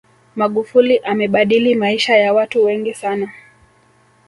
magufuli amebadili maisha ya watu wengi sana